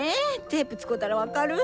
テープ使うたら分かる？